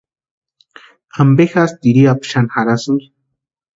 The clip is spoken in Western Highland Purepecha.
¿Ampe jásï tiriapu xani jarhaski?